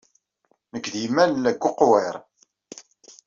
Nekk d yemma nella deg uqwiṛ.